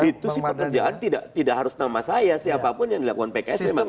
itu si pekerjaan tidak harus nama saya siapapun yang dilakukan pks memang